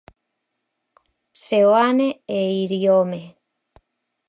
Seoane e Iriome.